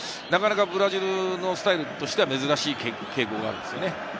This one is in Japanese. なかなかブラジルのスタイルとしては珍しい傾向があります。